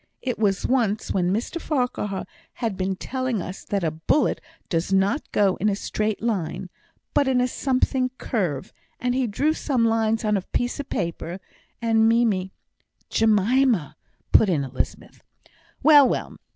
It was once when Mr Farquhar had been telling us that a bullet does not go in a straight line, but in a something curve, and he drew some lines on a piece of paper; and Mimie " "Jemima," put in Elizabeth. "Well, well!